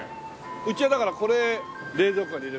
うちはだからこれ冷蔵庫に入れてそれでね。